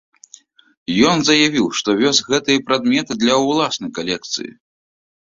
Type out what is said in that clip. Ён заявіў, што вёз гэтыя прадметы для ўласнай калекцыі.